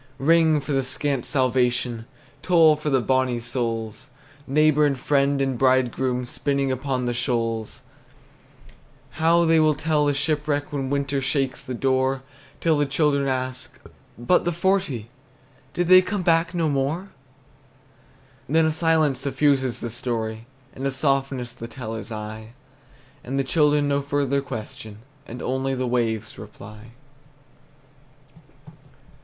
Ring, for the scant salvation! Toll, for the bonnie souls, Neighbor and friend and bridegroom, Spinning upon the shoals! How they will tell the shipwreck When winter shakes the door, Till the children ask, "But the forty? Did they come back no more?" Then a silence suffuses the story, And a softness the teller's eye; And the children no further question, And only the waves reply.